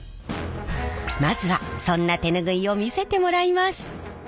まずはそんな手ぬぐいを見せてもらいます。